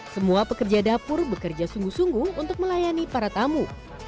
semua pekerja dapur bekerja sungguh sungguh untuk melayani para tamu